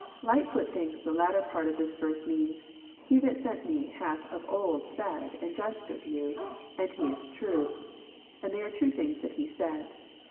Ughtfoot thinks the latter part of this verse means :'< He that sent Me hath of old said and judged of you, and He is true, and they are true things that He said.